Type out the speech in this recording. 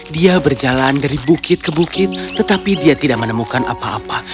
dia berjalan dari bukit ke bukit tetapi dia tidak menemukan apa apa